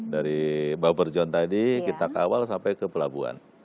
dari buffer john tadi kita kawal sampai ke pelabuhan